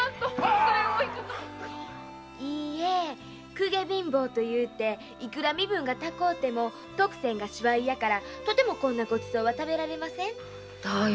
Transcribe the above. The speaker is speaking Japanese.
公家貧乏というていくら身分が高うてもトクセンがシワイやからとてもこんなごちそうは食べられません。